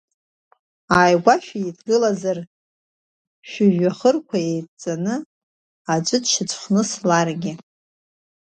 Ааигәа шәеидгылазар, шәыжәҩахырқәа еидҵаны, аӡә дшьацәхнысларгьы…